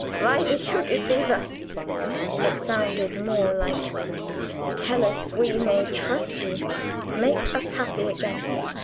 "Why did you deceive us?" It sounded more like, "Tell us we may trust you; make us happy again!"